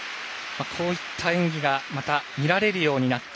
こういった演技がまた見られるようになった。